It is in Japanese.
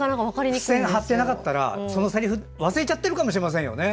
もし付箋貼ってなかったらそのせりふを忘れちゃっているかもしれませんよね。